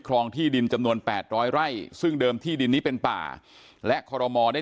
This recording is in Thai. ครองที่ดินจำนวน๘๐๐ไร่ซึ่งเดิมที่ดินนี้เป็นป่าและคลมได้